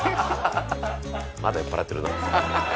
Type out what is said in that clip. まだ酔っ払ってるな。